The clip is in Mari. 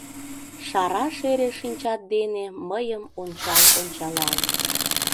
Шара-шере шинчат дене Мыйым ончал-ончалал.